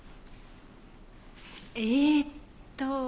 えっと。